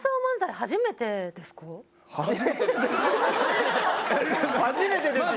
初めてですよ。